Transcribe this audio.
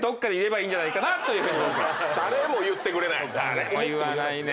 誰も言わないね。